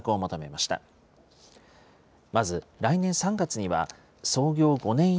まず、来年３月には、創業５年以